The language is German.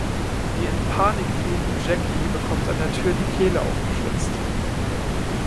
Die in Panik fliehende Jackie bekommt an der Tür die Kehle aufgeschlitzt.